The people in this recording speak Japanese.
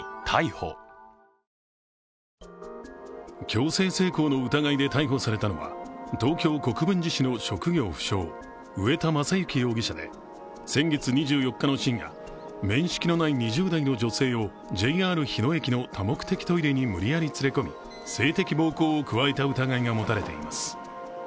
強制性交の疑いで逮捕されたのは東京・国分寺市の職業不詳、上田将之容疑者で、先月２４日の深夜面識のない２０代の女性をＪＲ日野駅の多目的トイレに無理やり連れ込み、性的暴行を加えた疑いが持たれています。